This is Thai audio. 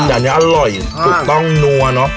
แต่อันนี้อร่อยถูกต้องนัวเนอะ